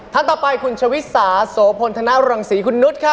ท่านต่อไปคุณชวิสาโสพลธนรังศรีคุณนุษย์ค่ะ